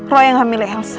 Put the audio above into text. raya gak milih elsa